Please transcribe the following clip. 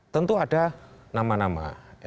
tentu ada nama nama